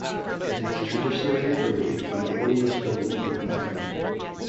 It is traditionally brewed by the "oldest woman in the family".